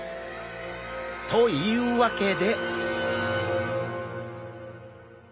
というわけで。